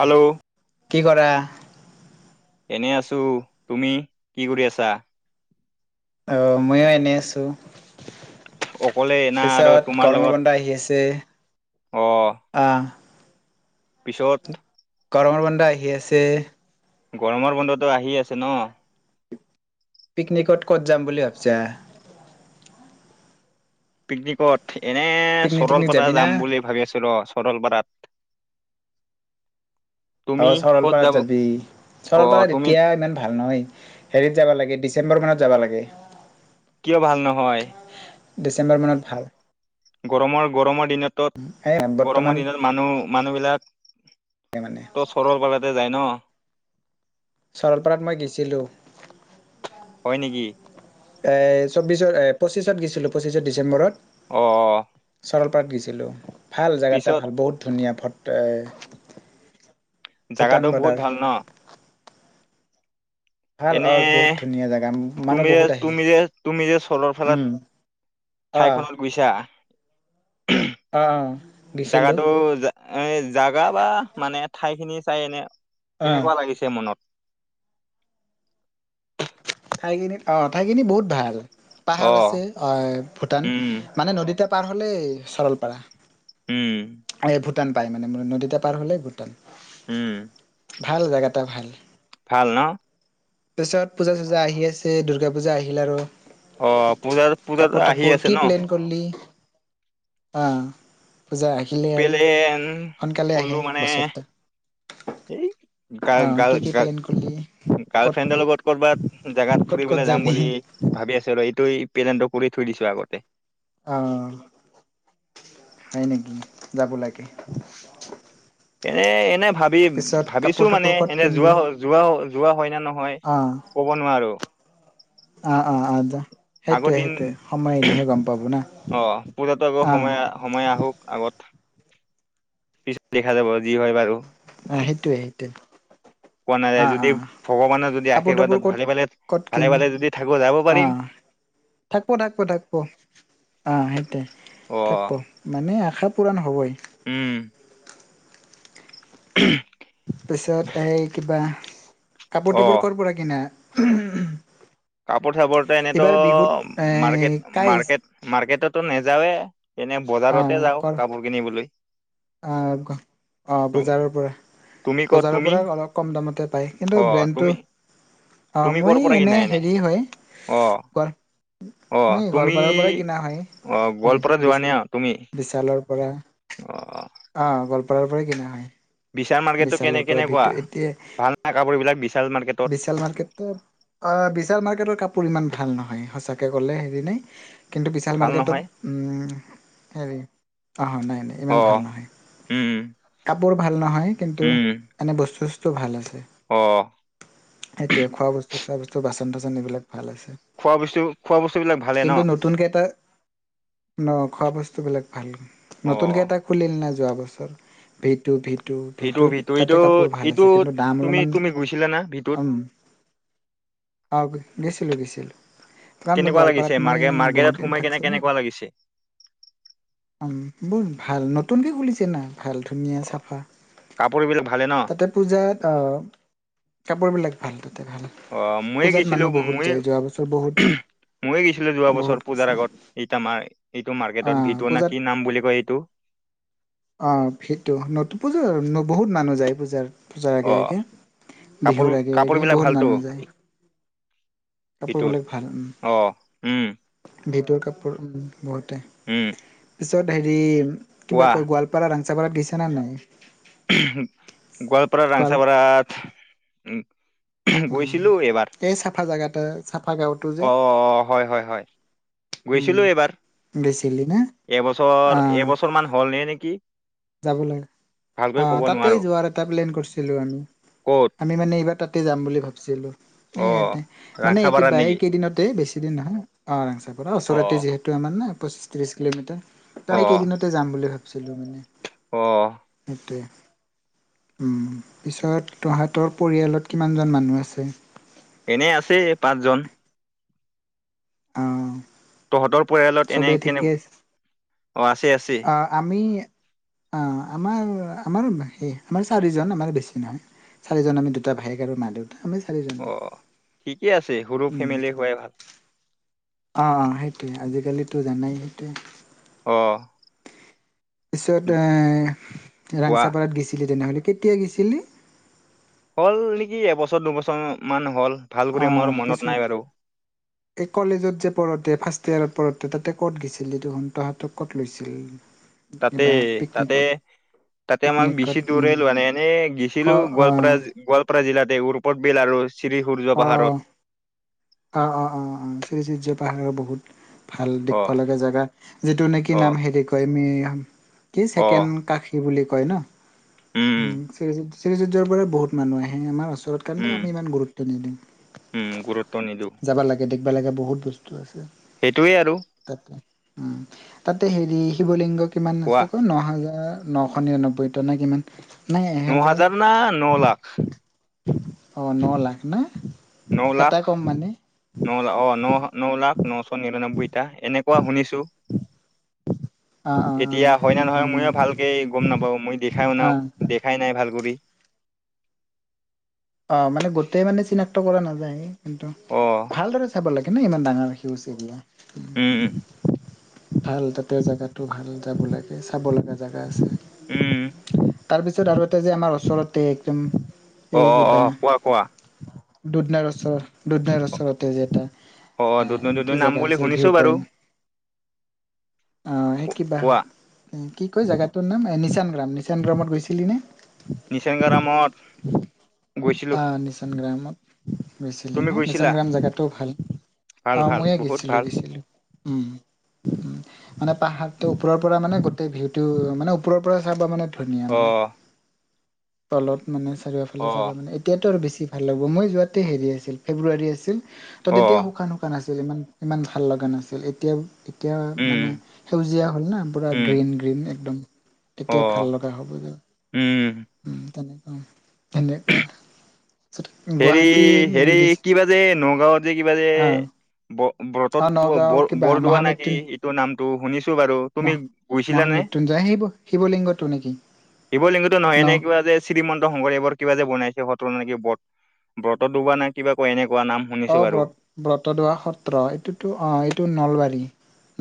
Hello! কি কৰা? এনে আছো তুমি কি কৰি আছা? অ মইয়ো এনেই আছো অকলে না আৰু পিছত তোমাৰ গৰমৰ লগত বন্ধা আহি আছে অ আহ পিছত গৰমৰ বন্ধ আহি আছে গৰমৰ বন্ধটো আহি আছে ন পিকনিকত ক'ত যাম বুলি ভাবিছা? পিকনিকত এনে পিকনিক চিকনিক চৰলপাৰা যাবি না? যাম বুলি ভাবি আছিলো চৰলপাৰাত। অ তুমি ক'ত চৰলপাৰাত যাব যাবি অ চৰলপাৰাত তুমি এতিয়া ইমান ভাল নহয় হেৰিত যাবা লাগে ডিচেম্বৰ মানত যাবা লাগে কিয় ভাল নহয়? ডিচেম্বৰ মানত ভাল। গৰমৰ গৰমৰ দিনততো এ বৰ্তমান গৰমৰ দিনত মানুহ মানুহবিলাক মানে ত চৰলপাৰাতে যাই ন। চৰলপাৰাত মই গৈছিলো। হয় নেকি? এ চৌববিশত এ পঁচিছত গৈছিলো পঁচিছত ডিচেম্বৰত। অ। চৰলপাৰাত গৈছিলো ভাল জেগাটা পিছত ভাল বহুত ধুনীয়া ফ এ জাগাটো বহুত ভাল ন? ভাল এনে অ বহুত ধুনীয়া জেগা মানুহ তুমি যে বহুত আহে, তুমি যে তুমি যে উম। অ বুজিছা অঁ। জাগাটো এ জাগা বা মানে ঠাই খিনি চাই এনে অ কেনেকুৱা লাগিছে মনত? ঠাইখিনিত অঁ ঠাইখিনি বহুত ভাল অ পাহাৰ আছে অ ভূটান উম মানে নদীতা পাৰ হ'লেই চৰলপাৰা উম এই ভূটান পাই মানে নদীতা পাৰ হ'লেই ভূটান উম ভাল জেগাটা ভাল ভাল ন তাৰপিছত পূজা চূজা আহি আছে দুৰ্গা পূজা আহিল আৰু অ পূজাত পূজা কাপোৰ আহি তাপোৰ আছে ন [unintelligible] অ পূজা আ প্লেন কৰিলো মানে বছৰটো এই গ অ কি গাৰ কি গা প্লেন কৰিলি ক'ত গাৰ্লফ্ৰেণ্ডৰ লগত কৰ'বাত জেগাত ক'ত ক'ত ফুৰিবলৈ যাম যাবি বুলি ভাবি আছো ৰ এইটো এই পেলেণ্টটো কৰি থৈ দিছো আগতে। অ হয় নেকি, যাব লাগে। এনে ভাবি পিছত ভাবিছো কাপোৰ মানে তাপোৰ ক'ত এনে পিন্ধবি যোৱা যোৱা যোৱা হয় নে নহয়। অ ক'ব নোৱাৰো। অ অ অ যা আগৰ সেইটোয়ে দিন সেইটোয়ে সময় আহিলেহে গম পাব না। অ পূজাতো আকৌ অ সময় আ সময় আহক আগত পিছত দেখা যাব যি হয় বাৰু। অ সেইটোৱে সেইটোৱে পোৱা নাযায় অ অ যদি ভগৱানৰ যদি কাপোৰ তাপোৰ আৰ্শীৰ্বাদত ক'ত ভালে ভালে ভালে ভালে যদি থাকো যাব পাৰিম। থাকিব থাকিব থাকিব অহ সেইটোৱে অ থাকিব। মানে আশা পূৰণ হ'বই। উম উমহ তাৰ পিছত এই কিবা কাপোৰ অ তাপোৰ ক'ৰ পৰা কিনা উমহ? কাপোৰ চাপোৰতো এনেতো মাৰ্কেট কাই মাৰ্কেট মাৰ্কেটতো নাযাওৱে এনে অ বজাৰতে যাওঁ কৰ কাপোৰ কিনিবলৈ। অ অ তু বজাৰৰ পৰা। তুমি ক'ত বজাৰৰ তুমি পৰা অলপ কম দামতে পায় অ কিন্তু তুমি ব্ৰেণ্ডটো অ তুমি ক'ৰ মই পৰা এনে কিনা হেৰি হয় অ গোৱাল অ মই তুমি গোৱালপাৰাৰ পৰাই কিনা হয় অ গোৱালপাৰা বি যোৱা নে তুমি বিশালৰ পৰা। অ অ গোৱালপাৰাৰ পৰাই কিনা হয়। বিশাল মাৰ্কেটটো কেনে বিশালৰ পৰা ভিত কেনেকুৱা এতিয়া ভাল নাই কাপোৰ বিলাক বিশাল মাৰ্কেটত বিশাল মাৰ্কেট উ অ বিশাল মাৰ্কটৰ কাপোৰ ইমান ভাল নহয় সঁচাকে ক'লে হেৰি নাই কিন্তু বিশাল ভাল মাৰ্কেটত নহয় উ হেৰি অ নাই নাই। ইমান অ ভাল নহয় উম কাপোৰ ভাল নহয় কিন্তু উম এনে বস্তু চস্তু ভাল আছে। অ সেইটোৱে খোৱা বস্তু চোৱা বস্তু বাচন থাচন সেইবিলাক ভাল আছে। খোৱা বস্তু খোৱা বস্তু বিলাক ভালে ন। কিন্তু নতুনকে এটা অ খোৱা বস্তুবিলাক ভাল অ নতুনকে এটা খুলিল নে যোৱা বছৰ V two V two V ভিতু টুত ভিতু এইটো তাতে কাপোৰ ভাল এইটো আছে কিন্তু দাম তুমি অলপমান তুমি গৈছিলা না ভিতুত কম। অ গৈছিলো গৈছিলো কাৰণ মই কেনেকুৱা লাগিছে গোৱালপাৰাত মই মাৰ্কে মাৰ্কেটত বহুত দিন সোমাই কেনে থাকছো না। কেনেকুৱা লাগিছে উম বহুত ভাল নতুনকে খুলিছে না ভাল ধুনীয়া চাফা। কাপোৰবিলাক ভালে ন। তাতে পূজাত অ কাপোৰবিলাক ভাল তাতে ভাল। অ ময়ে পূজাত গৈছিলো মানুহ বহুত ময়ে যায় যোৱা বছৰ বহুত ময়ে গৈছিলো যোৱা বহুত বছৰ পূজাৰ গেছিল আগত এই এইটো অ মাৰ্কেটত ভি টু নে পূজাত কি নাম বুলি কয় এইটো। অ ভি টু নতুন পূজাৰ বহুত মানুহ যায় পূজাৰ। পূজাৰ অ আগে আগে কাপোৰ বিহুৰ আগে কাপোৰ আগে বিলাক বহুত ভালতো মানুহ যায়। ভিতুৰ কাপোৰবিলাক ভাল উম। অ উম ভি টুৰ কাপোৰ উম বহুতে উম পিছত হেৰি কিবা কয় কোৱা গোৱালপাৰা ৰাংচাপাৰাত গেইছা নে নাই? উমহ গোৱালপাৰ গোৱাল ৰাংচাপাৰত উমহ উম গৈছিলো এবাৰ। এই চাফা জেগাতো চাফা গাঁৱতো যে। অ হয় হয় হয় উম গৈছিলোঁ এবাৰ গৈছিলি না এবছৰ আহ এবছৰ মান হলে নেকি যাব লাগে ভালকৈ অ ক'ব তাতেই নোৱাৰো যোৱাৰ এটা প্লেন কৰিছিলোঁ আমি ক'ত আমি মানে এইবাৰ তাতে যাম বুলি ভাব ছিলোঁ এ অ ইয়াতে মানে ৰাংচাপাৰাত এই নেকি কেইদিনতে বেছি দিন নহয় অ ৰাংচাপাৰা অ ওচৰতে যিহেতু আমাৰ ন পঁচিছ, ত্ৰিছ কিলোমিটাৰ অ তা এইকেইদিনত তে যাম বুলি ভাবিছিলোঁ মানে অঁ সেটোৱে উম পিছত তহঁতৰ পৰিয়ালত কিমানজন মানুহ আছে? এনে আছে পাঁচজন অ'। তহঁতৰ পৰিয়ালত এনে চবেই কেনে? অঁ, আছে, আছে। আ আমি অঁ, আমাৰ আমাৰ সেই আমাৰ চাৰিজন, আমাৰ বেছি নহয়। চাৰিজন আমি দুটা ভাইয়েক আৰু মা-দেউ অ', ঠিকে আছে, সৰু উম ফেমিলি হোৱাই ভাল। অ', অ' সেইটোৱে, আজিকালিতো জানাই সেইটোৱে। অ পিছত কোৱা ৰাংচাপাৰাত গৈছিলি তেনেহ'লে, কেতিয়া গেছিলি? হ'ল নেকি? এবছৰ দুবছৰ মান হ'ল, ভাল কৰি অ', মোৰ মনত পিছত নাই বাৰু। এই কলেজত যে পঢোঁতে ফাৰ্ষ্ট ইয়াৰত পঢোঁতে তাতে ক'ত গৈছিলি তুহো তহতক ক'ত লৈছিল? উম। তাতে তাতে তাতে আমাক, বেছি পিকনিকত দৰাই উম লৈ এনে, এনেই ক গিছিলো, গোৱালপাৰা অ', গোৱাল পাৰা জিলাতে [inaudible] শ্ৰী সুৰ অ', অ', অ', অ', অ', অ', শ্ৰীসূৰ্য পাহাৰৰ বহুত ভাল অ দেখিব লগীয়া জেগা, যিটো নেকি অ নাম হেৰি কয় মি কি অ ছেকেণ্ড কাষী বুলি কয় ন, উম শ্ৰীযুৰ্যৰ পৰা বহুত মানুহ আহে আমাৰ ওচৰত কাৰণে উম আমি ইমান গুৰুত্ব নিদিওঁ। উম, গুৰুত্ব নিদিওঁ। যাবা লাগে, দেখিবা লাগে বহুত বস্তু আছে। সেইটোৱে আৰু। তাতে উম, তাতে হেৰি শিৱ লিংগ কিমান আছে কোৱা ক ন হাজাৰ নশ নিৰানবৈতা নে কিমান? নাই ন এহেজাৰ হাজাৰ না ন লাখ? অ', ন লাখ ন ন লাখ এটা কম মানে। ন' লা, অ', ন', ন' লাখ নশ নিৰান্নব্বৈটা এনেকুৱা শুনিছো। অ', অ', অ', এতিয়া হয় নে, সেনেকুৱা নহয় মই মইও ভালকে গম নাপাওঁ, মই দেখাই নাও অ'। দে খাই নাই, ভাল কৰি। অঁ মানে গোটেই মানে চিনাক্ত কৰা নাযায়, কিন্তু অ'। ভালদৰে চাব লাগে ন ইমান ডাঙৰ সিউজ এইবিলা। উম, উম। ভাল, তাতে জেগাটো ভাল যাব লাগে, চাব লগা জেগা আছে। উম। তাৰপিছত আৰু এটা যে আমাৰ ওচৰতে একদম। এই অ', অ', কিবা অ' কোৱা কোৱা। দুধনৈৰ ওচৰত। দূধনৈৰ ওচৰতে যে এটা অ দুধনৈ এ দুধনৈ কি নাম জেগা বুলি আছিল, শুনিছো ভিউ বাৰু পইণ্ট। অঁ, সেই কিবা- কোৱা কি কয় জাগাটোৰ নাম নিচান গ্ৰাম, নিচান গ্ৰামত গৈছিলি নে? [unintelligible] ৰামত অঁ, নিচন গ্ৰামত। গৈছিলি তুমি না? গৈছিলা নিচান গ্ৰাম জাগাতো ভাল ভাল অ' ভাল ময়য়ে বহুত গৈছিলো ভাল গৈছিলো। উম। মানে পাহাৰটো ওপৰৰ পৰা মানে গোটেই ভিউটো মানে ওপৰৰ পৰা চাবা মানে ধুনীয়া অ মানে, তলত মানে, চাৰিওফালে অ চাবা মানে, এতিয়াতো আৰু বেছি ভাল হ'ব মই যোৱাতে হেৰি আছিল ফেব্ৰুৱাৰী আছিল, ত' অ তেতিয়া শুকান শুকান কিমান আছিল ইমান ইমান ভাল লগা নাছিল এতিয়াও এতিয়া উম মানে সেউজীয়া হ'ল না পুৰা উম গ্ৰীণ গ্ৰীণ একদম অ এতিয়া ভাল ল হব দে উম উম তেনেকুৱা তেনেকুৱা তাৰপিছত হেৰি গুৱাহাটীত হেৰি গেছি কিবা যে নগাঁৱত যে কিবা যে অ' ব ব্ৰত অ' নগাঁও কিবা বৰদোৱা নাকি মহামৃত্যুন ইটোৰ নামটো শুনিছো বাৰু তুমি মহ গৈছিলা নে মহামৃত্যুঞ্জয় শিৱ শিৱলিংগটো নেকি শিৱলিংগতো নহয় এনে ন কিবা যে শ্ৰীমন্ত শংকৰদেৱ কিবা যে বনাইছে সত্ৰ নে ব্ৰত ব্ৰত দোবা না কিবা কয় এনেকুৱা নাম অ শুনিছো বাৰু ব্ৰত ব্ৰতদোৱা সত্ৰ এইটোতো অঁ এইটো নলবাৰী।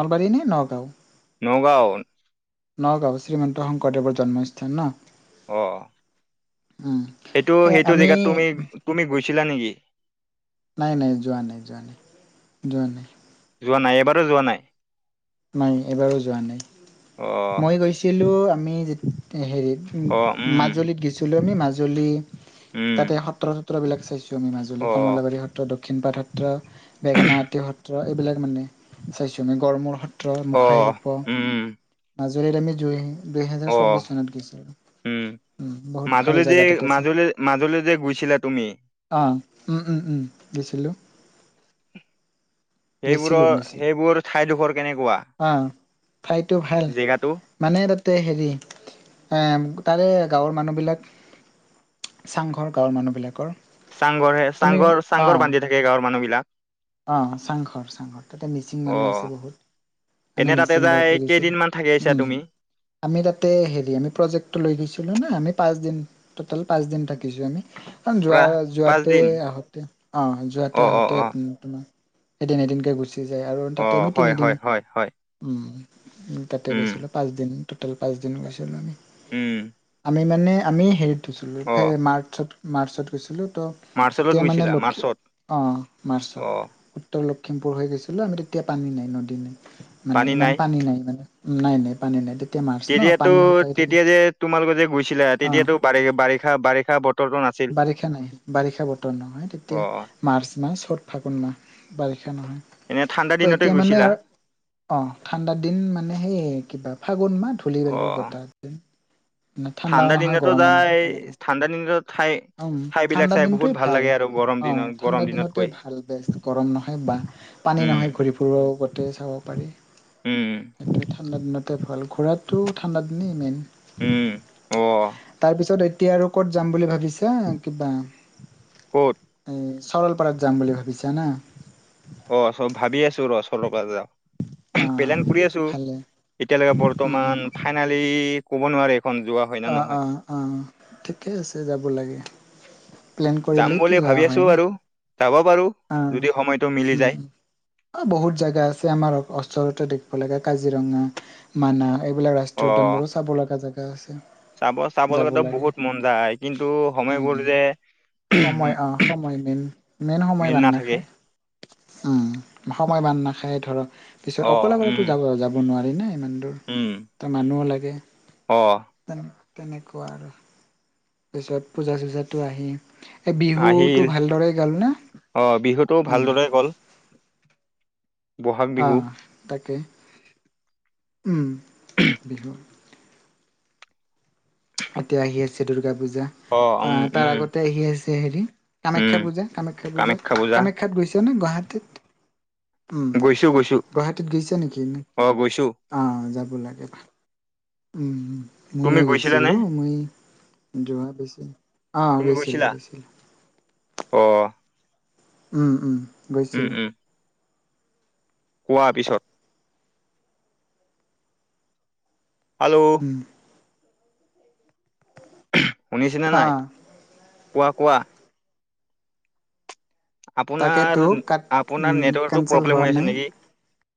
নলবাৰী নে নগাঁও নগাঁও নগাঁৱ, শ্ৰীমন্ত শংকৰদেৱৰ জন্মস্থান ন? অ, উম সেইটো এ সেইটো আমি জেগাত তুমি তুমি গৈছিলা নেকি? নাই নাই যোৱা নাই, যোৱা নাই, যোৱা নাই যোৱা নাই, এবাৰো যোৱা নাই? নাই, যোৱা নাই। মই গৈছিলোঁ আমি যে হেৰিত মাজুলীত গৈছিলোঁ আমি, মাজুলী তাতে সত্ৰ সত্ৰবিলাক চাইছিলোঁ। উম মাজুলী, কমলাবৰী সত্ৰ, দক্ষিণ পাট সত্ৰ, বেঙেনাআটী সত ত্ৰ এইবিলাক মানে চাইছোঁ আমি গড়মূৰ সত্ৰ, মুখাশিল্প মাজুলীত আমি জুই দুহেজাৰ চৌববিশ চনত গৈছিলো। উম বহুত ভাল মাজুলী যে জেগা তাতে আছে মাজুলী মাজুলী যে গৈছিলা তুমি অ উম উম উম গৈছিলোঁ সেইবোৰৰ গৈছিলো গৈছিলো সেইবোৰ ঠাইডোখৰ কেনেকুৱা? অ ঠাইটো ভাল। জেগাটো মানে তাতে হেৰি এ তাৰে গাঁৱৰ মানুহবিলাক চাংঘৰ গাঁৱৰ মানুহবিলাকৰ চাংঘৰে তুমি চাংঘৰ চাংঘৰ বান্ধি থাকে গাঁৱৰ মানুহবিলাক অঁ চাংঘৰ চাংঘৰ তাতে মিচিং অ মানুহ আছে বহুত আমি এনে তাতে মিচিং যাই গাঁওটো গৈছিলো, কেইদিনমান থাকি আহিছা উম তুমি আমি তাতে হেৰি আমি প্ৰজেক্টটো লৈ গৈছিলো না আমি পাঁচ দিন টটেল পাঁচ দিন থাকিছো আমি অ যোৱা প্ৰা যোৱাতে পাঁচদিন আহোঁতে অঁ অ যোৱাতে অ আহোঁতে অ আপুনি তোমাক এদিন এদিনকে গুচি যায় আৰু অ তাতে আমি হয় তিনিদিন হয় হয় হয় উম তাতে উম গৈছিলো পাঁচ দিন। টটেল পাঁচ দিন গৈছিলো আমি। উম আমি মানে আমি হেৰিত গৈছিলো অ সেই মাৰ্চত মাৰ্চত গৈছিলো তো মাৰ্চলত তেতিয়া মানে গৈছিলা লখি মাৰ্চত অঁ অ মাৰ্চত উত্তৰ লখিমপুৰ হৈ গৈছিলো আমি তেতিয়া পানী নাই নদী নাই মানে ইমান পানী নাই মানে নাই নাই পানী নাই তেতিয়া মাৰ্চ ন তেতিয়াতো পানী শুকাই থাকে তেতিয়া যে তোমালোকে যে গৈছিলা অ তেতিয়াতো বাৰিষা বাৰিষা বাৰিষা ব বাৰিষা নাই বাৰিষা বতৰ নহয় অ তেতিয়া মাৰ্চ মাহ চত ফাগুন মাহ বাৰিষা এনে নহয় ঠাণ্ডা তো দিনতে এতিয়া মানে গৈছিলা আৰু অ ঠাণ্ডা দিন মানে সেইয়ে কিবা ফাগুন মাহ ধূলি অ বালি বতাহ দিন মানে ঠাণ্ডা ঠাণ্ডাও নহয় দিনতো গৰমো নহয় যাই ঠাণ্ডা দিনতো ঠাই তেনেকুৱা উম ঠাইবিলাক ঠাণ্ডা চাই দিনটো বহুত ভাল লাগে আৰু গৰম অ দিনত গৰম ঠাণ্ডা দিনতে দিনতকৈ ভাল গৰম নহয় বা পানী উম নহয় ঘূৰি ফুৰিব গোটেই চাব পাৰি উম ঠাণ্ডা দিনতে ভাল ঘূৰাটো ঠাণ্ডা দিনেই মেইন উম অ তাৰপিছত এতিয়া আৰু ক'ত যাম বুলি ভাবিছা কিবা ক'ত? এই চলপাৰাত যাম বুলি ভাবিছা না? অ', চ ভাবি আছো ৰহ চলপাৰাত যাম। অ প্লেন কৰি আছো। ভালে এতিয়ালৈকে উম বৰ্তমান উম ফাইনেলি ক'ব নোৱাৰে এখন যোৱা হয় না অ' নহয় অ' অ' ঠিকে আছে যাব লাগে। প্লেন যাম কৰিলেইতো বুলি যোৱা ভাবি হয় আছো না বাৰু যাব পাৰো। অ' যদি সময়টো মিলি যায় অ', বহুত জেগাহ আছে আমাৰ ওচৰতে দেখিব লাগা কাজিৰঙা মানাস এইবিলাক ৰাষ্ট্ৰীয় উদ্যান অ বোৰো চাব লাগা জেগা আছে। চাব চাব যাব লগাটো লাগে বহুত মন যায় কিন্তু উম সময়বোৰ যে সময় অ' সময় মেইন, মেইন সময় মিল বান নাথাকে নাখায়। উম', সময় বান নাখায় ধৰক পিছত অ অকলে অকলেটো উম যাব যাব নোৱাৰি না ইমান দূৰ। উম। ত মানুহও লাগে। অহ। তেনে তেনেকুৱা আৰু। পিছত পূজা চূজাটো আহি এই বিহুটো আহিল ভালদৰে গল না? অ বিহুতো উম। ভালদৰে গ'ল বহাগ বিহু অহ তাকে, উম। বিহু এতিয়া আহি আছে দূৰ্গা পূজা অ উম আহ তাৰ উম আগতে আহি আ ছে হেৰি উম কামাখ্যা পূজা কামাখ্যা পূজা কামাখ্যাত গৈছা নে গুৱাহাটীত? উম, গৈছো গৈছো গুৱাহাটীত গৈছা নেকি? অ গৈছো অ' যাব লাগে ভাল। উম উম। তুমি মইয়ো গৈছিলা নে গৈছিলো মই যোৱা বছৰ, অ' গৈছিলো গৈছিলো। অহ উম উম উম গৈছিলো। উম কোৱা পিছত? হেল্ল! উম। শুনিছেনে অ নাই? কোৱা কোৱা? আপোনাৰ তাকেতো কাত আপোনাৰ উম নেটৱৰ্কটো কেনচেল প্ৰব্লেম হোৱা হৈ আছে নাই নেকি?